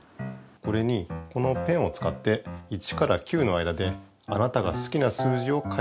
これにこのペンをつかって１から９の間であなたがすきな数字を書いてください。